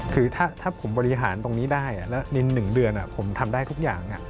คือถ้าผมบริหารตรงนี้ได้แล้วใน๑เดือนผมทำได้ทุกอย่าง